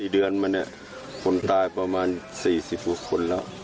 ๔เดือนมาเนี่ยคนตายประมาณ๔๐กว่าคนแล้ว